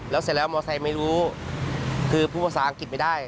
แล้วเสร็จแล้วมอไซค์ไม่รู้คือพูดภาษาอังกฤษไม่ได้